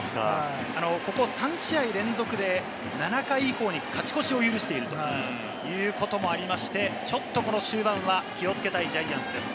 ここ３試合連続で７回以降に勝ち越しを許しているということもありまして、ちょっとこの終盤は気をつけたジャイアンツです。